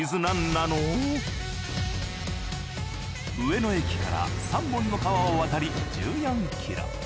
上野駅から３本の川を渡り１４キロ。